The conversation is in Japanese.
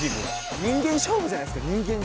人間勝負じゃないですか。